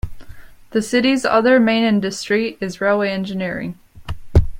The city's other main industry is railway engineering.